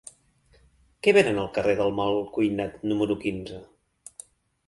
Què venen al carrer del Malcuinat número quinze?